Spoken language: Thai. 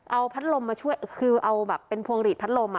เอาพระธรรมมาช่วยคือเอาแบบเป็นพวงหลีดพระธรรมอ่ะ